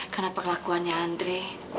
karena perlakuannya andre